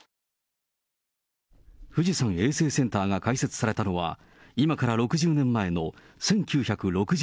富士山衛生センターが開設されたのは、今から６０年前の１９６２年。